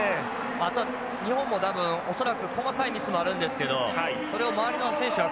あとは日本も多分恐らく細かいミスもあるんですけどそれを周りの選手が補ってますよね。